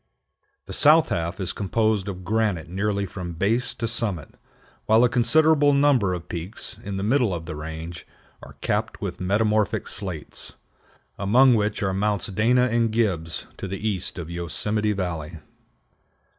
The south half is composed of granite nearly from base to summit, while a considerable number of peaks, in the middle of the range, are capped with metamorphic slates, among which are Mounts Dana and Gibbs to the east of Yosemite Valley.